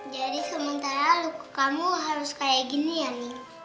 jadi sementara luku kamu harus kayak gini ya nek